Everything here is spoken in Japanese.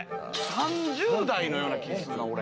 ３０代のような気がするな、俺。